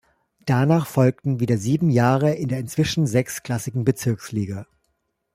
Danach folgten wieder sieben Jahre in der inzwischen sechstklassigen Bezirksliga.